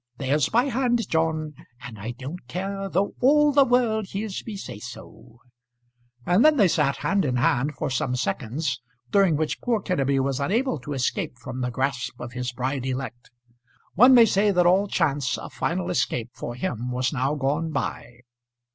There's my hand, John; and I don't care though all the world hears me say so." And then they sat hand in hand for some seconds, during which poor Kenneby was unable to escape from the grasp of his bride elect. One may say that all chance of final escape for him was now gone by.